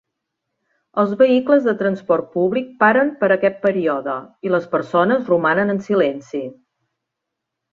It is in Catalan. Els vehicles de transport públic paren per aquest període i les persones romanen en silenci.